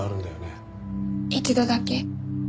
一度だけ。